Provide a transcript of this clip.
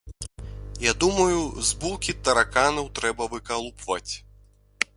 Я думаю, з булкі тараканаў трэба выкалупваць.